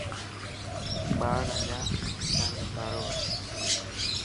ٻار اڃا تائين انڌارو هي.